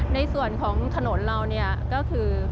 ในส่วนของถนนเราก็คือ